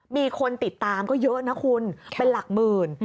มีคนติดตามก็เยอะนะคุณเป็นหลักหมื่น